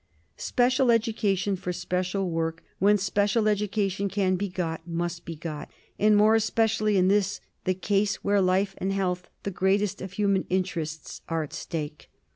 Special education for special work, when special education can be got, must be got ; and more especially is this the case where life and health, the' greatest of human interests, are at stake.